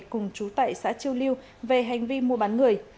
cùng chú tại xã chiêu liêu về hành vi mua bán người